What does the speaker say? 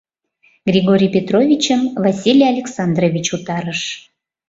Григорий Петровичым Василий Александрович утарыш: